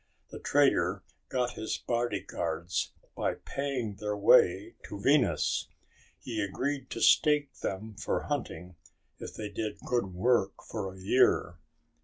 The trader got his bodyguards by paying their way to Venus. He agreed to stake them for hunting if they did good work for a year.